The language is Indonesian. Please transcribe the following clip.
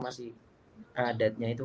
masih adatnya itu